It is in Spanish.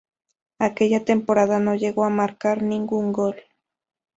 Aquella temporada no llegó a marcar ningún gol.